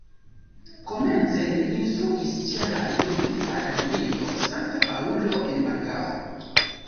Komence li instruis ĉe la Jezuita Akademio Sankta Paŭlo en Makao.